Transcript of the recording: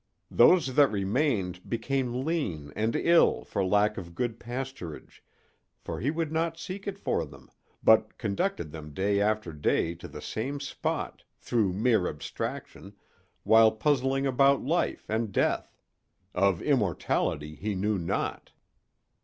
Those that remained became lean and ill for lack of good pasturage, for he would not seek it for them, but conducted them day after day to the same spot, through mere abstraction, while puzzling about life and death—of immortality he knew not.